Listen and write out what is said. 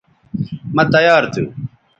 مہ تیار تھو